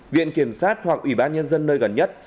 viện kiểm sát hoặc ủy ban nhân dân nơi gần nhất